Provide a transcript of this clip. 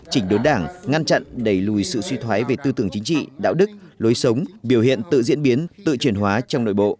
chỉnh đốn đảng ngăn chặn đẩy lùi sự suy thoái về tư tưởng chính trị đạo đức lối sống biểu hiện tự diễn biến tự chuyển hóa trong nội bộ